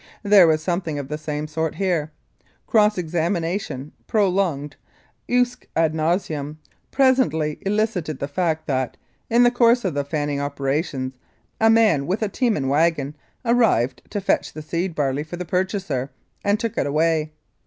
There was something of the same sort here. Cross examination, prolonged usque ad nauseam, presently elicited the fact that, in the course of the fanning operations, a man with a team and wagon arrived to fetch the seed barley for the purchaser, and took it away.